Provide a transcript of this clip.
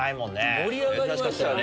盛り上がりましたよね。